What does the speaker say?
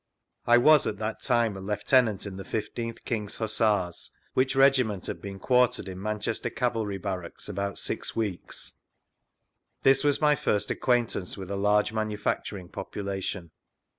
I was at that time a Lieutenant in the 15th King's Hussars, which Regiment had been quar tered in Manchester Cavalry Barracks about six weeks. This was my first acquaintance with a lai^e manufacturing population.